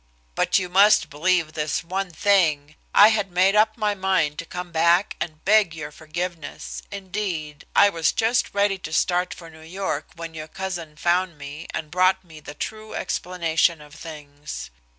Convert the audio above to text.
"But you must believe this one thing, I had made up my mind to come back and beg your forgiveness, indeed, I was just ready to start for New York, when your cousin found me and brought me the true explanation of things.